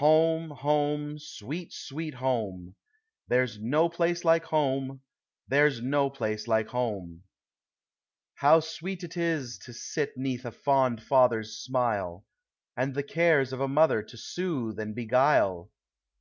ITome, Home, sweet, sweet Home! There *s no place like Home! there 's no place like Home ! How sweet 't is to sit 'neath a fond father's smile, And the cares of a mother to soothe and beguile!